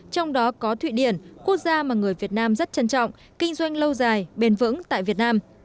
trong đó có thụy điển quốc gia mà người việt nam rất trân trọng kinh doanh lâu dài bền vững tại việt nam